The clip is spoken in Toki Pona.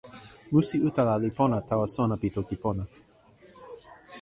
musi utala li pona tawa sona pi toki pona.